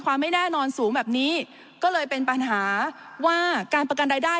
ไม่แน่นอนสูงแบบนี้ก็เลยเป็นปัญหาว่าการประกันรายได้